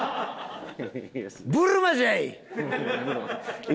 ブルマじゃい！